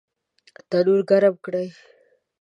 تنور ګرم کړئ